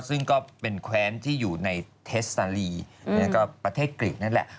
ซึ่งก็เป็นแคว้นที่อยู่ในเทสซาลีประเทศกรีนั่นแหละ